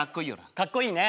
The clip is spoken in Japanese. かっこいいね。